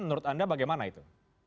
menurut anda bagaimana itu